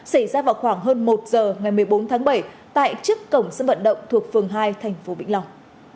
xảy ra vào khoảng hơn một giờ ngày một mươi bốn tháng bảy tại trước cổng sân vận động thuộc phường hai thành phố vĩnh long